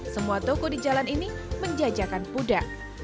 semua toko di jalan ini menjajakan puda